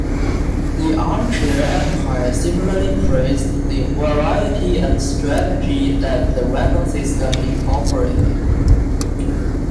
The Armchair Empire similarly praised the variety and strategy that the weapon system incorporated.